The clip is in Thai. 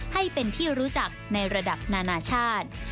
ให้เป็นที่รู้จักในระดับนานาชาติ